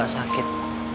supaya lu gak sakit